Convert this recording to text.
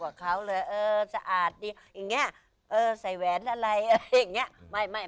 กับเขาเลยเออสะอาดดีอย่างนี้เออใส่แหวนอะไรอะไรอย่างเงี้ย